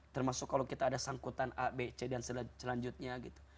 termasuk kalau kita ada sangkutan a b c dan selanjutnya gitu